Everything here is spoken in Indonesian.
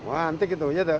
wah antik itu